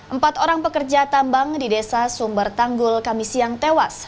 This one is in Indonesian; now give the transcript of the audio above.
empat orang pekerja tambang di desa sumber tanggul kami siang tewas